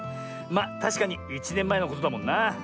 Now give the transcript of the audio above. まあたしかに１ねんまえのことだもんな。